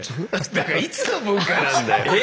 だからいつの文化なんだよ！え？